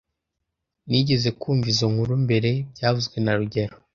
Nigeze kumva izoi nkuru mbere byavuzwe na rugero